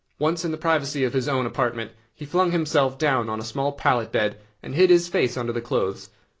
Once in the privacy of his own apartment, he flung himself down on a small pallet bed, and hid his face under the clothes.